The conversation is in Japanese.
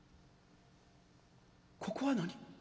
ここは何？